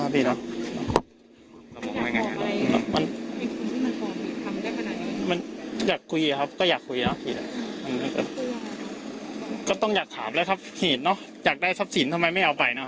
พวกกลัวมันยังมีเลย